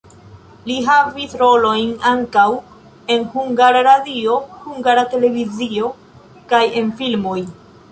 Li havis rolojn ankaŭ en Hungara Radio, Hungara Televizio kaj en filmoj.